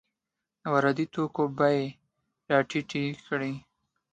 د وارداتي توکو بیې یې راټیټې کړې.